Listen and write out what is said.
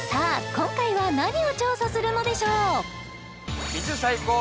今回は何を調査するのでしょう？